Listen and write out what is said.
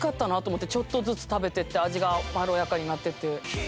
ちょっとずつ食べてって味がまろやかになってって。